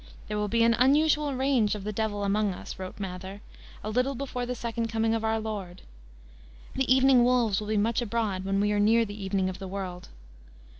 "There will be an unusual range of the devil among us," wrote Mather, "a little before the second coming of our Lord. The evening wolves will be much abroad when we are near the evening of the world."